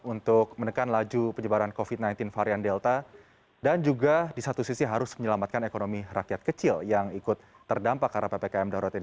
untuk menekan laju penyebaran covid sembilan belas varian delta dan juga di satu sisi harus menyelamatkan ekonomi rakyat kecil yang ikut terdampak karena ppkm darurat ini